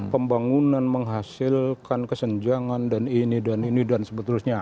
pembangunan menghasilkan kesenjangan dan ini dan ini dan seterusnya